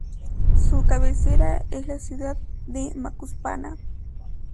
Su cabecera es la ciudad de Macuspana.